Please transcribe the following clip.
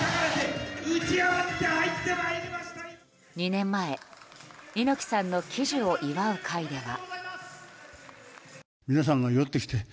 ２年前猪木さんの喜寿を祝う会では。